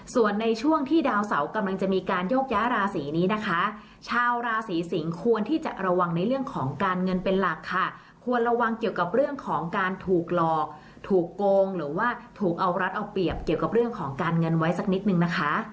ส่วนในช่วงที่ดาวเสากำลังจะมีการโยกย้ายราศีนี้นะคะชาวราศีสิงศ์ควรที่จะระวังในเรื่องของการเงินเป็นหลักค่ะควรระวังเกี่ยวกับเรื่องของการถูกหลอกถูกโกงหรือว่าถูกเอารัดเอาเปรียบเกี่ยวกับเรื่องของการเงินไว้สักนิดนึงนะคะ